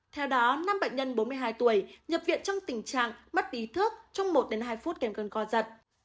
theo đó năm bệnh nhân bốn mươi hai tuổi nhập viện trong tình trạng mất ý thức trong một đến hai phút kèm cơn co giật